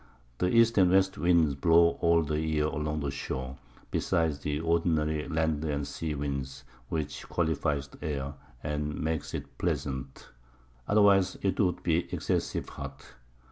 The East and West Winds blow all the Year along the Shore, besides the ordinary Land and Sea Winds, which qualifie the Air, and makes it pleasant, otherwise it would be excessive hot.